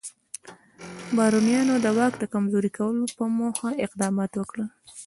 بارونیانو د واک د کمزوري کولو موخه اقدامات وکړل.